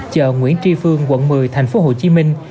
chợ nguyễn tri phương quận một mươi thành phố hồ chí minh